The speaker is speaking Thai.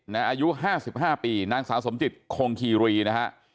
อายุ๕๕ปีนางสาวสมจิตคงคีรีนะฮะ